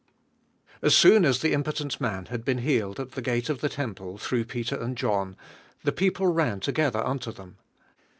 AS soon as the impotent man had been healed at tie gate of the temple, through Peter and Joton, the peo ple ran together unto them.